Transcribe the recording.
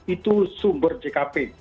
itu sumber jkp